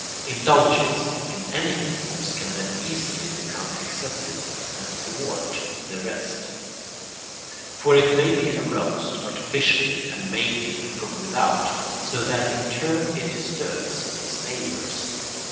Indulgence in any impulse can then easily become excessive and thwart the rest; for it may be aroused artificially and maintained from without, so that in turn it disturbs its neighbours.